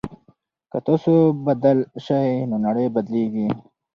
که تاسو بدل شئ نو نړۍ بدليږي.